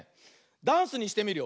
ダンスにしてみるよ。